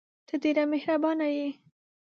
ته ډېره مهربانه یې !